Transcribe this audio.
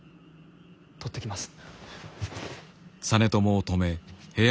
取ってきます。